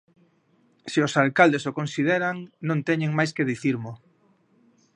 Se os alcaldes o consideran non teñen máis que dicirmo.